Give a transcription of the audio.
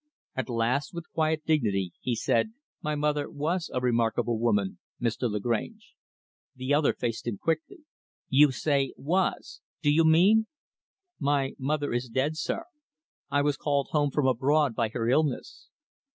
At last, with quiet dignity, he said, "My mother was a remarkable woman, Mr. Lagrange." The other faced him quickly. "You say was? Do you mean ?" "My mother is dead, sir. I was called home from abroad by her illness."